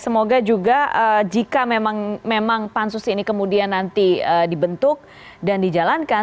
semoga juga jika memang pansus ini kemudian nanti dibentuk dan dijalankan